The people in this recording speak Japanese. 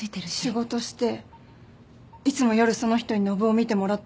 仕事していつも夜その人に信男見てもらってるの？